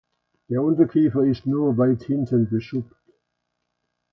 Der Unterkiefer ist nur weit hinten beschuppt.